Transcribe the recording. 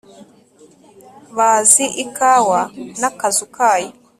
bazi ikawa n’akazu kayo